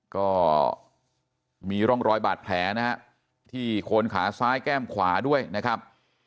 ก็มีร่องรอยบาดแผลนะฮะที่โคนขาซ้ายแก้มขวาด้วยนะครับ